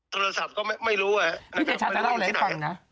โทรศัพท์ก็ไม่ไม่รู้อ่ะพี่เดชัตริย์จะเล่าอะไรให้ฟังนะ